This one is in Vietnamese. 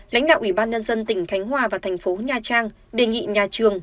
lãnh đạo ủy ban nhân dân tỉnh khánh hòa và thành phố nha trang đề nghị nhà trường